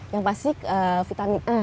yang pasti vitamin a